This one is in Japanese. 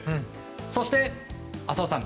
そして浅尾さん